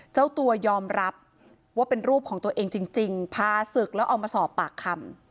เจ้าตัวยอมรับว่าเป็นรูปของตัวเองจริงพาศึกแล้วเอามาสอบปากคำ